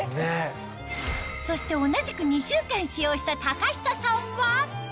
そして同じく２週間使用した高下さんは？